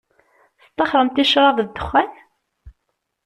Tettaxxṛemt i ccṛab d dexxan?